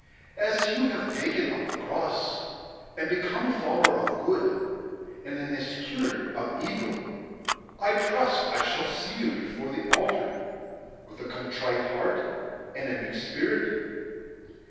As you have taken up the cross, and become a follower of good and an eschewer of evil, I trust I shall see you before the altar, with a contrite heart and a meek spirit."